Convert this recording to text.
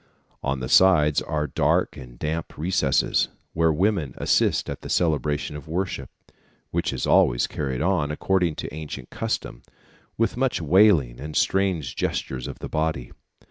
On the sides are dark and damp recesses, where women assist at the celebration of worship, which is always carried on, according to ancient custom, with much wailing and strange gestures of the body.